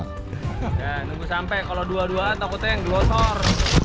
nunggu sampai kalau dua dua takutnya yang gelosor